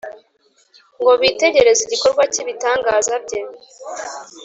ngo bitegereze igikorwa cy’ibiganza bye.